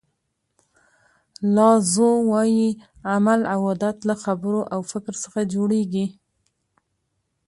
لاو زو وایي عمل او عادت له خبرو او فکر څخه جوړیږي.